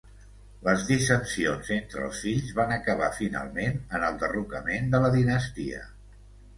Les dissensions entre els fills van acabar finalment en el derrocament de la dinastia.